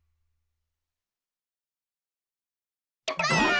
ばあっ！